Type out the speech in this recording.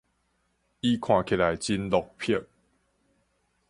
伊看起來真落魄